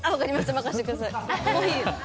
任せてください。